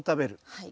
はい。